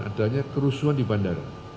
adanya kerusuhan di bandara